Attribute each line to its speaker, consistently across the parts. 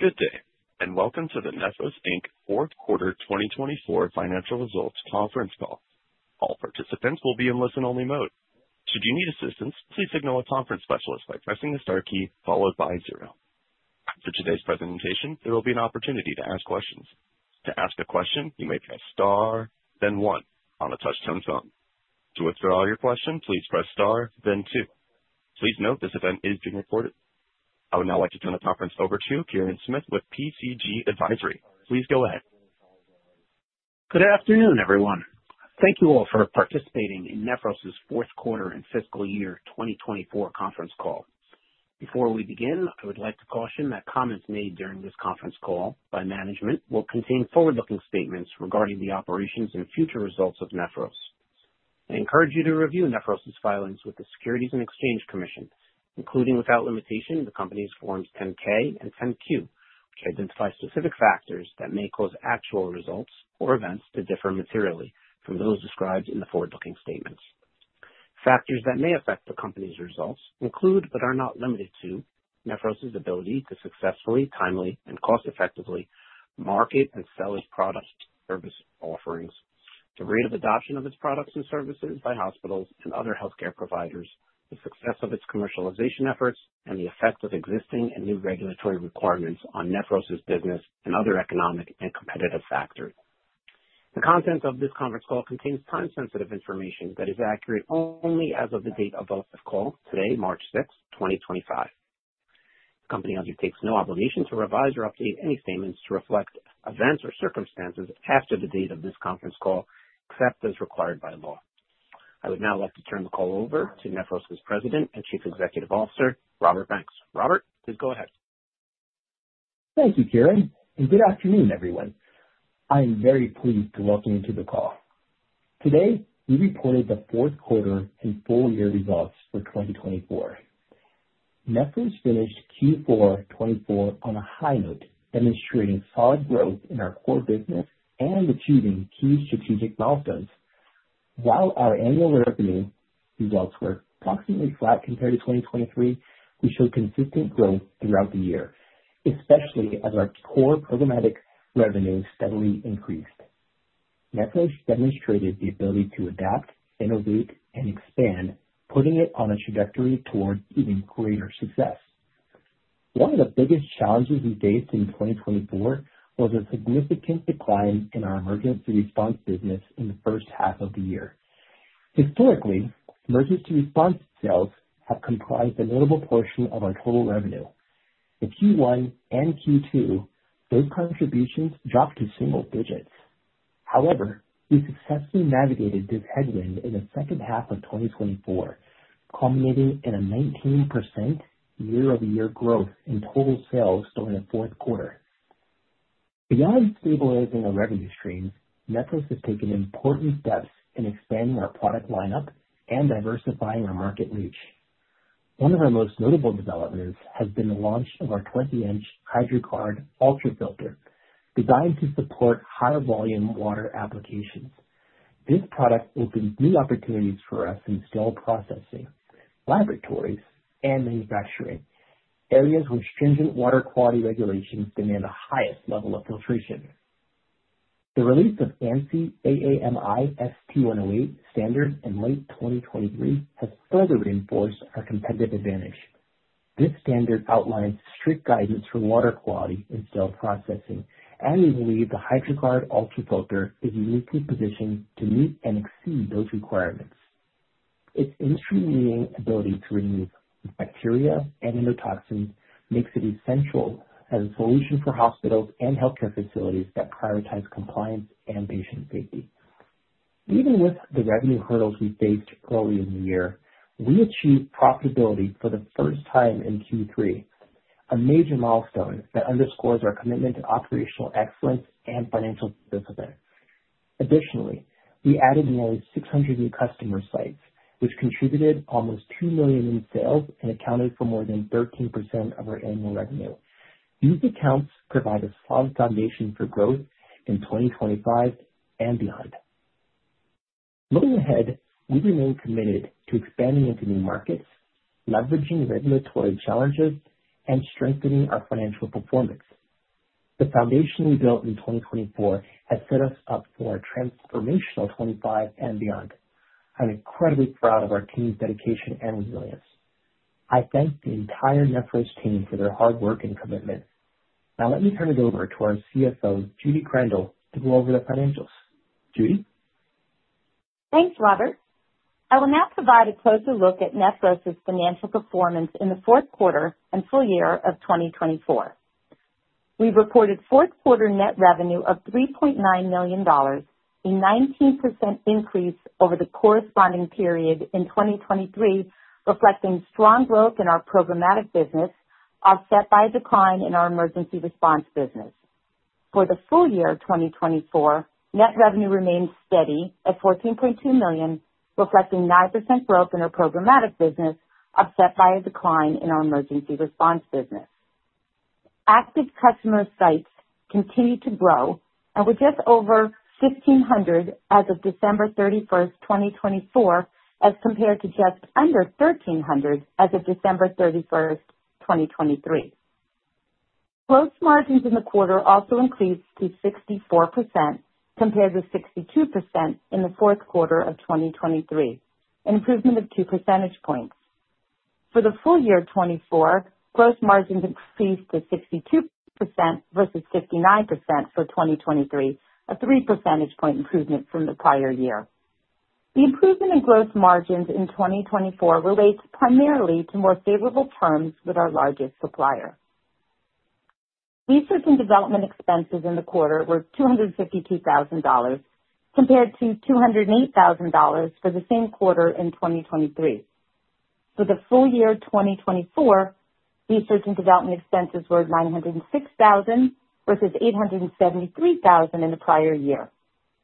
Speaker 1: Good day, and welcome to the Nephros Fourth Quarter 2024 Financial Results Conference Call. All participants will be in listen-only mode. Should you need assistance, please signal a conference specialist by pressing the star key followed by zero. After today's presentation, there will be an opportunity to ask questions. To ask a question, you may press star, then one, on a touch-tone phone. To withdraw your question, please press star, then two. Please note this event is being recorded. I would now like to turn the conference over to Kirin Smith with PCG Advisory. Please go ahead.
Speaker 2: Good afternoon, everyone. Thank you all for participating in Nephros' Fourth Quarter and Fiscal Year 2024 Conference Call. Before we begin, I would like to caution that comments made during this conference call by management will contain forward-looking statements regarding the operations and future results of Nephros. I encourage you to review Nephros' filings with the Securities and Exchange Commission, including without limitation the company's Forms 10-K and 10-Q, which identify specific factors that may cause actual results or events to differ materially from those described in the forward-looking statements. Factors that may affect the company's results include, but are not limited to, Nephros' ability to successfully, timely, and cost-effectively market and sell its products/service offerings, the rate of adoption of its products and services by hospitals and other healthcare providers, the success of its commercialization efforts, and the effect of existing and new regulatory requirements on Nephros' business and other economic and competitive factors. The content of this conference call contains time-sensitive information that is accurate only as of the date of the call today, March 6, 2025. The company undertakes no obligation to revise or update any statements to reflect events or circumstances after the date of this conference call, except as required by law. I would now like to turn the call over to Nephros' President and Chief Executive Officer, Robert Banks. Robert, please go ahead.
Speaker 3: Thank you, Kirin, and good afternoon, everyone. I am very pleased to welcome you to the call. Today, we reported the fourth quarter and full-year results for 2024. Nephros finished Q4 2024 on a high note, demonstrating solid growth in our core business and achieving key strategic milestones. While our annual revenue results were approximately flat compared to 2023, we showed consistent growth throughout the year, especially as our core programmatic revenue steadily increased. Nephros demonstrated the ability to adapt, innovate, and expand, putting it on a trajectory toward even greater success. One of the biggest challenges we faced in 2024 was a significant decline in our emergency response business in the first half of the year. Historically, emergency response sales have comprised a notable portion of our total revenue. In Q1 and Q2, those contributions dropped to single digits. However, we successfully navigated this headwind in the second half of 2024, culminating in a 19% year-over-year growth in total sales during the fourth quarter. Beyond stabilizing our revenue streams, Nephros has taken important steps in expanding our product lineup and diversifying our market reach. One of our most notable developments has been the launch of our 20-inch HydraGuard UltraFilter, designed to support higher volume water applications. This product opens new opportunities for us in sterile processing, laboratories, and manufacturing, areas where stringent water quality regulations demand the highest level of filtration. The release of ANSI/AAMI ST108 standard in late 2023 has further reinforced our competitive advantage. This standard outlines strict guidance for water quality in sterile processing, and we believe the HydraGuard UltraFilter is uniquely positioned to meet and exceed those requirements. Its instrumenting ability to remove bacteria and endotoxins makes it essential as a solution for hospitals and healthcare facilities that prioritize compliance and patient safety. Even with the revenue hurdles we faced early in the year, we achieved profitability for the first time in Q3, a major milestone that underscores our commitment to operational excellence and financial discipline. Additionally, we added nearly 600 new customer sites, which contributed almost $2 million in sales and accounted for more than 13% of our annual revenue. These accounts provide a solid foundation for growth in 2025 and beyond. Looking ahead, we remain committed to expanding into new markets, leveraging regulatory challenges, and strengthening our financial performance. The foundation we built in 2024 has set us up for a transformational 2025 and beyond. I'm incredibly proud of our team's dedication and resilience. I thank the entire Nephros team for their hard work and commitment. Now, let me turn it over to our CFO, Judy Krandel, to go over the financials. Judy?
Speaker 4: Thanks, Robert. I will now provide a closer look at Nephros' financial performance in the fourth quarter and full year of 2024. We reported fourth quarter net revenue of $3.9 million, a 19% increase over the corresponding period in 2023, reflecting strong growth in our programmatic business, offset by a decline in our emergency response business. For the full year 2024, net revenue remained steady at $14.2 million, reflecting 9% growth in our programmatic business, offset by a decline in our emergency response business. Active customer sites continue to grow, and we're just over 1,500 as of December 31, 2024, as compared to just under 1,300 as of December 31, 2023. Gross margins in the quarter also increased to 64% compared to 62% in the fourth quarter of 2023, an improvement of 2 percentage points. For the full year 2024, gross margins increased to 62% versus 59% for 2023, a 3 percentage point improvement from the prior year. The improvement in gross margins in 2024 relates primarily to more favorable terms with our largest supplier. Research and development expenses in the quarter were $252,000, compared to $208,000 for the same quarter in 2023. For the full year 2024, research and development expenses were $906,000 versus $873,000 in the prior year.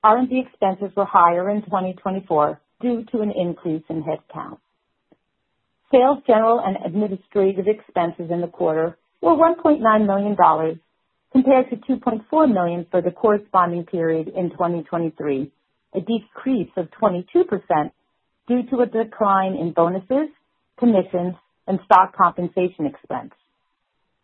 Speaker 4: R&D expenses were higher in 2024 due to an increase in headcount. Sales, general and administrative expenses in the quarter were $1.9 million, compared to $2.4 million for the corresponding period in 2023, a decrease of 22% due to a decline in bonuses, commissions, and stock compensation expense.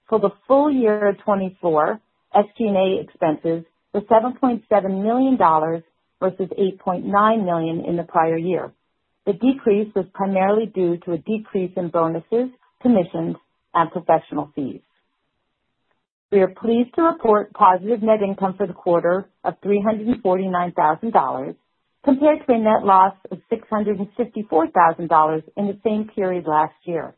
Speaker 4: For the full year of 2024, SG&A expenses were $7.7 million versus $8.9 million in the prior year. The decrease was primarily due to a decrease in bonuses, commissions, and professional fees. We are pleased to report positive net income for the quarter of $349,000, compared to a net loss of $654,000 in the same period last year.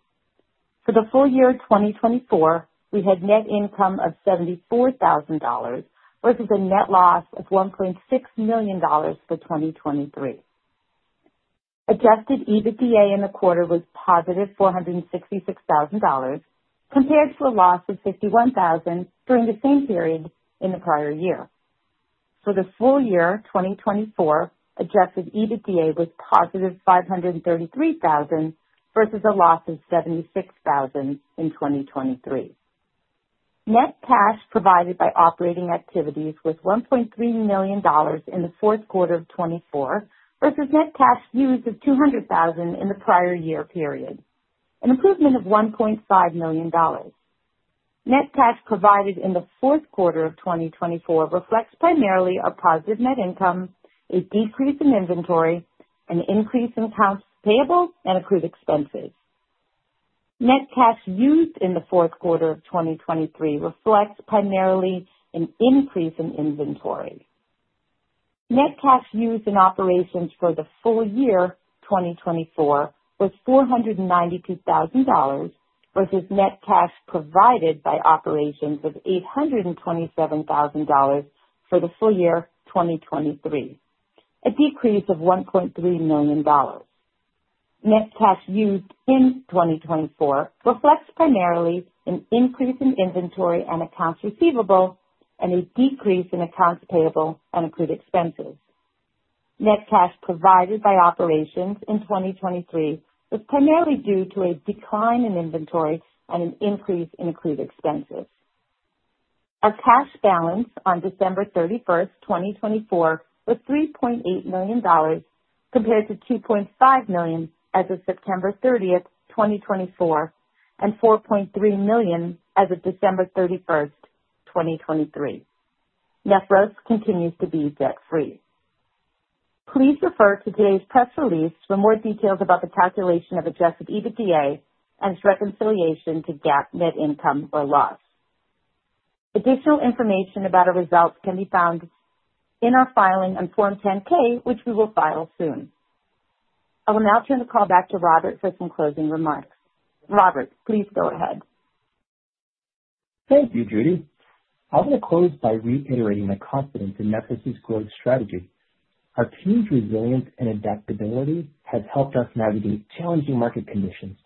Speaker 4: For the full year 2024, we had net income of $74,000 versus a net loss of $1.6 million for 2023. Adjusted EBITDA in the quarter was positive $466,000, compared to a loss of $51,000 during the same period in the prior year. For the full year 2024, adjusted EBITDA was positive $533,000 versus a loss of $76,000 in 2023. Net cash provided by operating activities was $1.3 million in the fourth quarter of 2024 versus net cash used of $200,000 in the prior year period, an improvement of $1.5 million. Net cash provided in the fourth quarter of 2024 reflects primarily a positive net income, a decrease in inventory, an increase in accounts payable, and accrued expenses. Net cash used in the fourth quarter of 2023 reflects primarily an increase in inventory. Net cash used in operations for the full year 2024 was $492,000 versus net cash provided by operations of $827,000 for the full year 2023, a decrease of $1.3 million. Net cash used in 2024 reflects primarily an increase in inventory and accounts receivable, and a decrease in accounts payable and accrued expenses. Net cash provided by operations in 2023 was primarily due to a decline in inventory and an increase in accrued expenses. Our cash balance on December 31, 2024, was $3.8 million, compared to $2.5 million as of September 30, 2024, and $4.3 million as of December 31, 2023. Nephros continues to be debt-free. Please refer to today's press release for more details about the calculation of adjusted EBITDA and its reconciliation to GAAP net income or loss. Additional information about our results can be found in our filing on Form 10-K, which we will file soon. I will now turn the call back to Robert for some closing remarks. Robert, please go ahead.
Speaker 3: Thank you, Judy. I want to close by reiterating my confidence in Nephros' growth strategy. Our team's resilience and adaptability have helped us navigate challenging market conditions,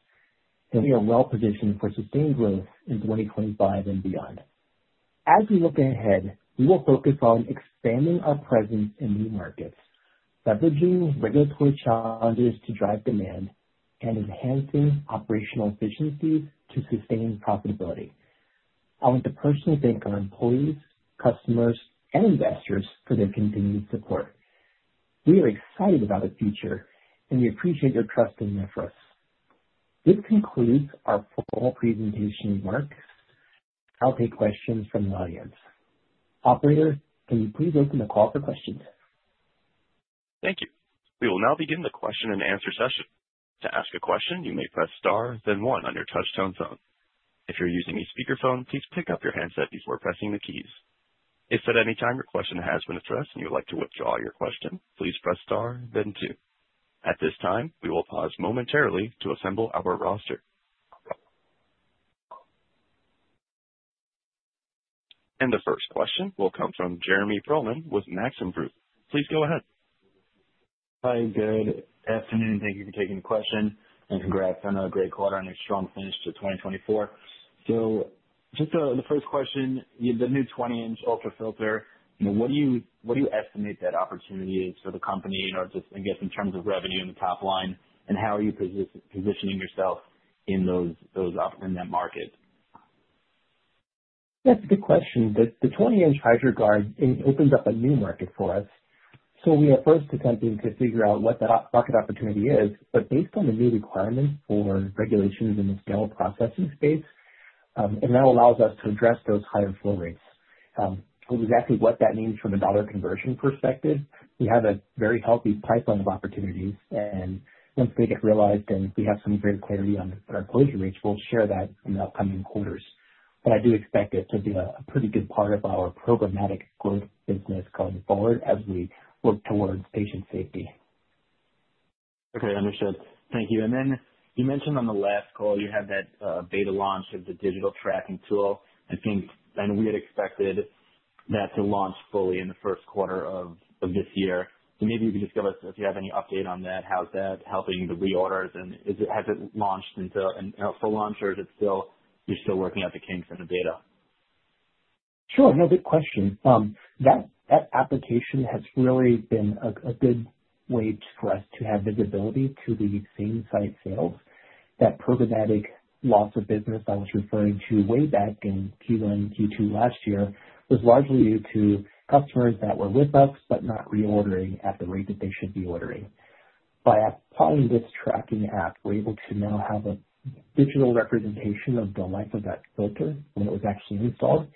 Speaker 3: and we are well-positioned for sustained growth in 2025 and beyond. As we look ahead, we will focus on expanding our presence in new markets, leveraging regulatory challenges to drive demand, and enhancing operational efficiencies to sustain profitability. I want to personally thank our employees, customers, and investors for their continued support. We are excited about the future, and we appreciate your trust in Nephros. This concludes our formal presentation remarks. I'll take questions from the audience. Operator, can you please open the call for questions?
Speaker 1: Thank you. We will now begin the question-and-answer session. To ask a question, you may press star, then one on your touch-tone phone. If you're using a speakerphone, please pick up your handset before pressing the keys. If at any time your question has been addressed and you would like to withdraw your question, please press star, then two. At this time, we will pause momentarily to assemble our roster. The first question will come from Jeremy Pearlman with Maxim Group. Please go ahead.
Speaker 5: Hi, good afternoon. Thank you for taking the question, and congrats on a great quarter and a strong finish to 2024. Just the first question, the new 20-inch UltraFilter, what do you estimate that opportunity is for the company, and I guess in terms of revenue and the top line, and how are you positioning yourself in that market?
Speaker 3: That's a good question. The 20-inch HydraGuard opens up a new market for us. We are first attempting to figure out what that market opportunity is, but based on the new requirements for regulations in the sterile processing space, it now allows us to address those higher flow rates. Exactly what that means from a dollar conversion perspective, we have a very healthy pipeline of opportunities, and once they get realized and we have some great clarity on our closing rates, we'll share that in the upcoming quarters. I do expect it to be a pretty good part of our programmatic growth business going forward as we work towards patient safety.
Speaker 5: Okay, understood. Thank you. You mentioned on the last call you had that beta launch of the digital tracking tool. I think we had expected that to launch fully in the first quarter of this year. Maybe you could just give us, if you have any update on that, how's that helping the reorders, and has it launched into a full launch, or are you still working out the kinks in the beta?
Speaker 3: Sure, no, good question. That application has really been a good way for us to have visibility to the same site sales. That programmatic loss of business I was referring to way back in Q1 and Q2 last year was largely due to customers that were with us but not reordering at the rate that they should be ordering. By applying this tracking app, we're able to now have a digital representation of the life of that filter when it was actually installed,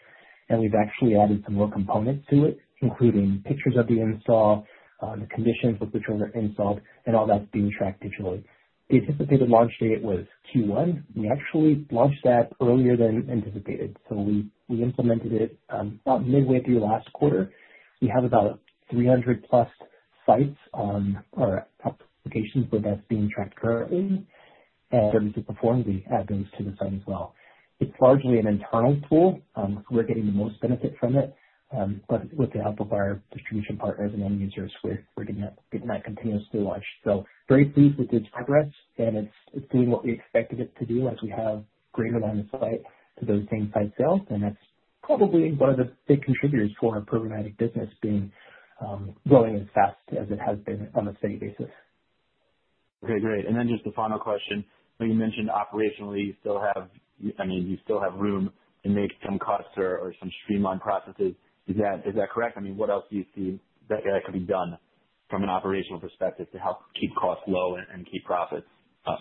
Speaker 3: and we've actually added some more components to it, including pictures of the install, the conditions with which it was installed, and all that's being tracked digitally. The anticipated launch date was Q1. We actually launched that earlier than anticipated, so we implemented it about midway through last quarter. We have about 300-plus sites on our applications where that's being tracked currently. Services performed, we add those to the site as well. It is largely an internal tool. We are getting the most benefit from it, but with the help of our distribution partners and end users, we are getting that continuously launched. Very pleased with its progress, and it is doing what we expected it to do as we have greater line of sight to those same site sales, and that is probably one of the big contributors for our programmatic business being growing as fast as it has been on a steady basis.
Speaker 5: Okay, great. Just the final question. You mentioned operationally you still have, I mean, you still have room to make some cuts or some streamline processes. Is that correct? I mean, what else do you see that could be done from an operational perspective to help keep costs low and keep profits up?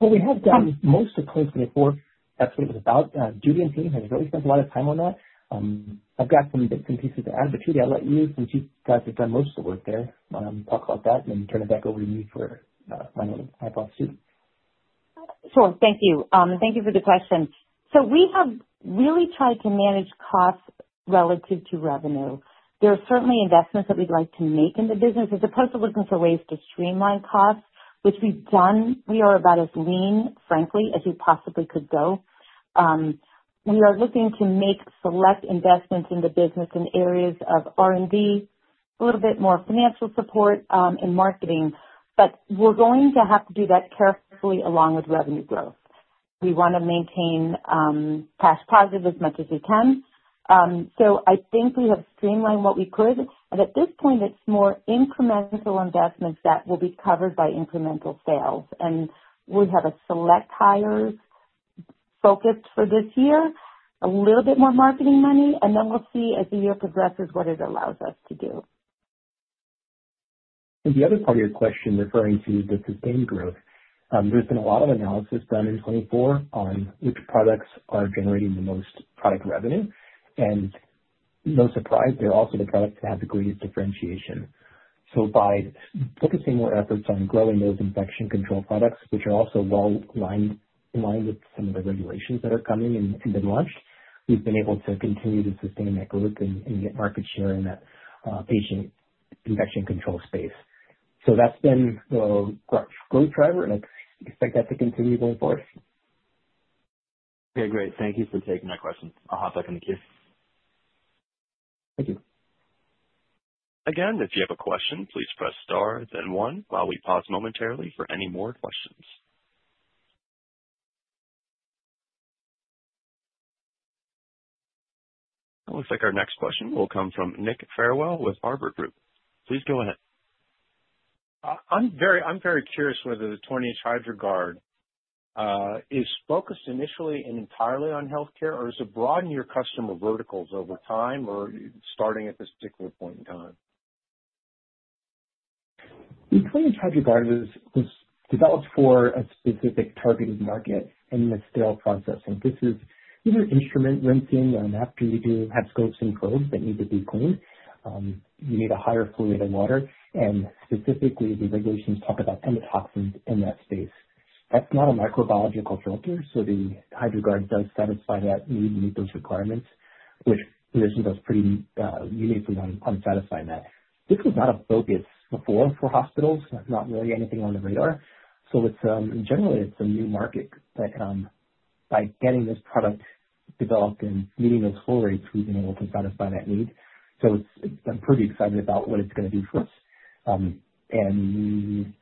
Speaker 3: We have done most of the closing report. That is what it was about. Judy and team have really spent a lot of time on that. I have got some pieces to add, but Judy, I will let you, since you guys have done most of the work there, talk about that and then turn it back over to me for my notes to wrap up soon.
Speaker 4: Sure, thank you. Thank you for the question. We have really tried to manage costs relative to revenue. There are certainly investments that we'd like to make in the business. As opposed to looking for ways to streamline costs, which we've done, we are about as lean, frankly, as we possibly could go. We are looking to make select investments in the business in areas of R&D, a little bit more financial support, and marketing, but we're going to have to do that carefully along with revenue growth. We want to maintain cash positive as much as we can. I think we have streamlined what we could, and at this point, it's more incremental investments that will be covered by incremental sales, and we have a select hires focused for this year, a little bit more marketing money, and then we'll see as the year progresses what it allows us to do.
Speaker 3: The other part of your question referring to the sustained growth, there's been a lot of analysis done in 2024 on which products are generating the most product revenue, and no surprise, they're also the products that have the greatest differentiation. By focusing more efforts on growing those infection control products, which are also well aligned with some of the regulations that are coming and have been launched, we've been able to continue to sustain that growth and get market share in that patient infection control space. That's been the growth driver, and I expect that to continue going forward.
Speaker 5: Okay, great. Thank you for taking my question. I'll hop back in the queue.
Speaker 3: Thank you.
Speaker 1: Again, if you have a question, please press star, then one, while we pause momentarily for any more questions. It looks like our next question will come from Nick Farwell with Arbor Group. Please go ahead.
Speaker 6: I'm very curious whether the 20-inch HydraGuard is focused initially and entirely on healthcare, or is it broadening your customer verticals over time or starting at this particular point in time?
Speaker 3: The 20-inch HydraGuard was developed for a specific targeted market in the sterile processing. This is either instrument rinsing or after you do have scopes and probes that need to be cleaned. You need a higher flow of water, and specifically, the regulations talk about endotoxins in that space. That's not a microbiological filter, so the HydraGuard does satisfy that need and meet those requirements, which positioned us pretty uniquely on satisfying that. This was not a focus before for hospitals, not really anything on the radar. Generally, it's a new market that by getting this product developed and meeting those flow rates, we've been able to satisfy that need. I'm pretty excited about what it's going to do for us. I don't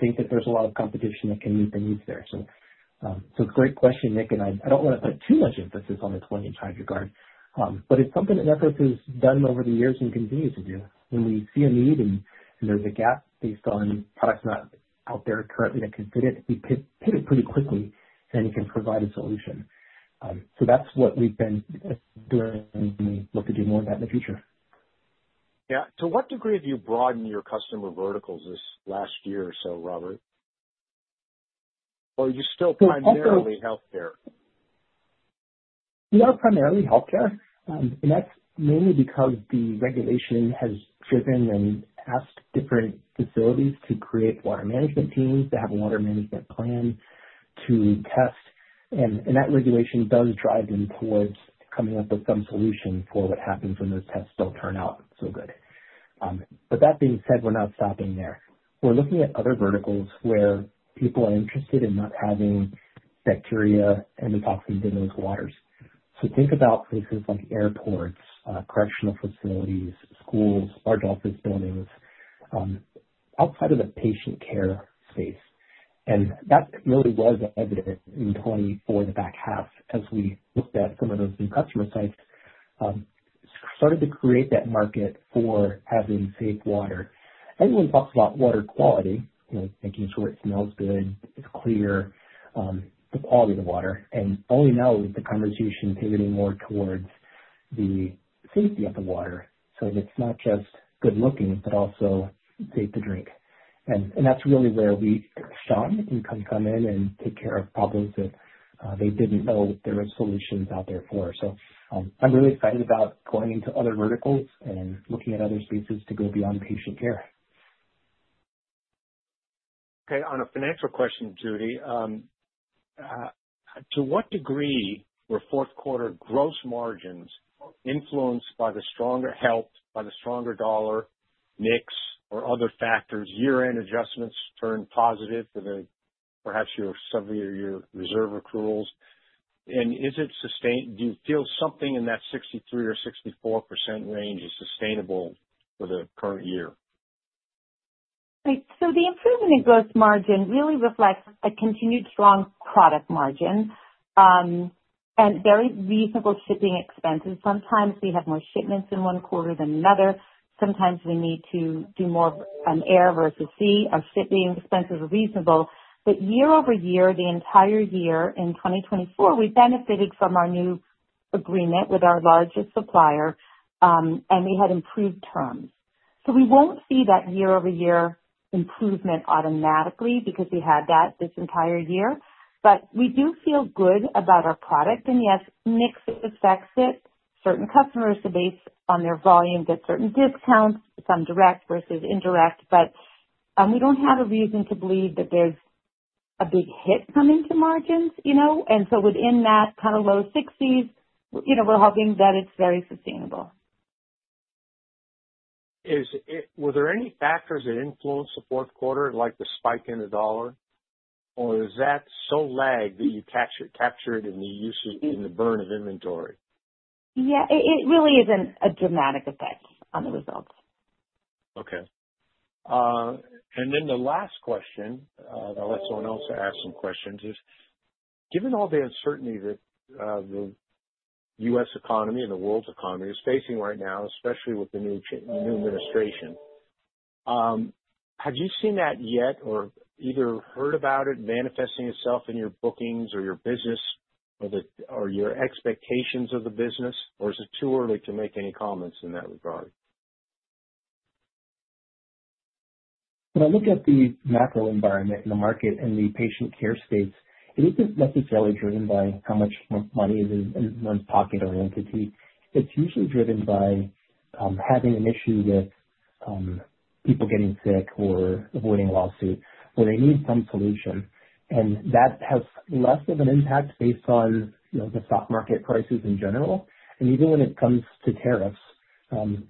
Speaker 3: think that there's a lot of competition that can meet the needs there. It's a great question, Nick, and I don't want to put too much emphasis on the 20-inch HydraGuard, but it's something that Nephros has done over the years and continues to do. When we see a need and there's a gap based on products not out there currently that can fit it, we pivot pretty quickly, and it can provide a solution. That's what we've been doing, and we look to do more of that in the future.
Speaker 6: Yeah. To what degree have you broadened your customer verticals this last year or so, Robert? Or are you still primarily healthcare?
Speaker 3: We are primarily healthcare, and that's mainly because the regulation has driven and asked different facilities to create water management teams, to have a water management plan, to test, and that regulation does drive them towards coming up with some solution for what happens when those tests don't turn out so good. That being said, we're not stopping there. We're looking at other verticals where people are interested in not having bacteria and toxins in those waters. Think about places like airports, correctional facilities, schools, large office buildings, outside of the patient care space. That really was evident in 2024, the back half, as we looked at some of those new customer sites, started to create that market for having safe water. Everyone talks about water quality, making sure it smells good, it's clear, the quality of the water, and only now is the conversation pivoting more towards the safety of the water, so that it's not just good-looking, but also safe to drink. That's really where we shot and come in and take care of problems that they didn't know there were solutions out there for. I'm really excited about going into other verticals and looking at other spaces to go beyond patient care.
Speaker 6: Okay, on a financial question, Judy, to what degree were fourth-quarter gross margins influenced by the stronger dollar, mix, or other factors? Year-end adjustments turned positive for perhaps some of your reserve accruals. Is it sustained? Do you feel something in that 63% or 64% range is sustainable for the current year?
Speaker 4: The improvement in gross margin really reflects a continued strong product margin and very reasonable shipping expenses. Sometimes we have more shipments in one quarter than another. Sometimes we need to do more air versus sea. Our shipping expenses are reasonable, but year over year, the entire year in 2024, we benefited from our new agreement with our largest supplier, and we had improved terms. We will not see that year-over-year improvement automatically because we had that this entire year, but we do feel good about our product. Yes, mix affects it. Certain customers, based on their volume, get certain discounts, some direct versus indirect, but we do not have a reason to believe that there is a big hit coming to margins. Within that kind of low 60s, we are hoping that it is very sustainable.
Speaker 6: Were there any factors that influenced the fourth quarter, like the spike in the dollar, or is that so lagged that you captured in the use in the burn of inventory?
Speaker 4: Yeah, it really isn't a dramatic effect on the results.
Speaker 6: Okay. The last question, I'll let someone else ask some questions. Given all the uncertainty that the U.S. economy and the world economy is facing right now, especially with the new administration, have you seen that yet or either heard about it manifesting itself in your bookings or your business or your expectations of the business, or is it too early to make any comments in that regard?
Speaker 3: When I look at the macro environment in the market and the patient care space, it isn't necessarily driven by how much money is in one's pocket or entity. It's usually driven by having an issue with people getting sick or avoiding lawsuits where they need some solution, and that has less of an impact based on the stock market prices in general. Even when it comes to tariffs,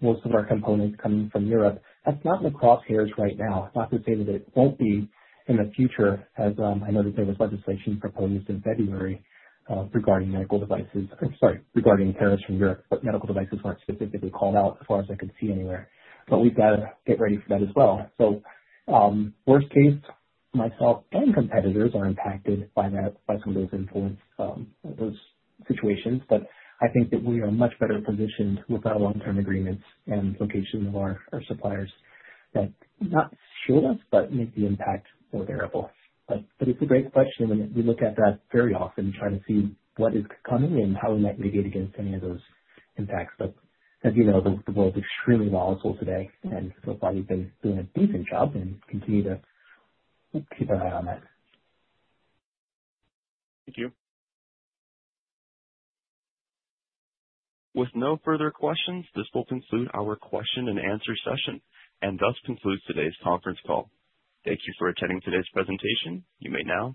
Speaker 3: most of our components coming from Europe, that's not in the crosshairs right now. Not to say that it won't be in the future, as I know that there was legislation proposed in February regarding medical devices or, sorry, regarding tariffs from Europe, but medical devices weren't specifically called out as far as I could see anywhere. We've got to get ready for that as well. Worst case, myself and competitors are impacted by some of those situations, but I think that we are much better positioned with our long-term agreements and location of our suppliers that not shield us, but make the impact more bearable. It is a great question, and we look at that very often and try to see what is coming and how we might mitigate against any of those impacts. As you know, the world's extremely volatile today, and so far we've been doing a decent job and continue to keep an eye on that.
Speaker 6: Thank you.
Speaker 1: With no further questions, this will conclude our question-and-answer session, and thus concludes today's conference call. Thank you for attending today's presentation. You may now.